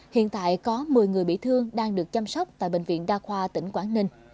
hiện tại có một mươi người bị thương đang được chăm sóc tại bệnh viện đa khoa tỉnh quảng ninh